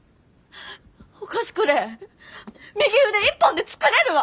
お菓子くれえ右腕一本で作れるわ！